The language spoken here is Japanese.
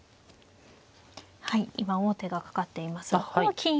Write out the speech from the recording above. はい今王手がかかっていますがここは金合い。